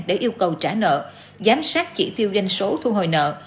để yêu cầu trả nợ giám sát chỉ tiêu doanh số thu hồi nợ